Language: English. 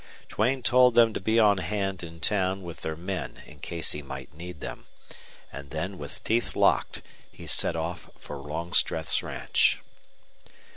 Duane told them to be on hand in town with their men in case he might need them, and then with teeth locked he set off for Longstreth's ranch.